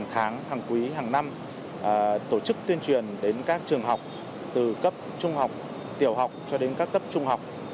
hàng tháng hàng quý hàng năm tổ chức tuyên truyền đến các trường học từ cấp trung học tiểu học cho đến các cấp trung học